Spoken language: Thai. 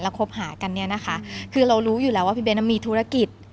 คบหากันเนี่ยนะคะคือเรารู้อยู่แล้วว่าพี่เบ้นมีธุรกิจ